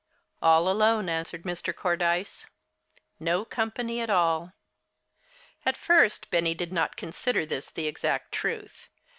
"All alone," answered Mr. Cordyce. "No company at all." At first Benny did not consider this the exact truth.